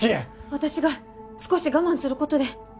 私が少し我慢することで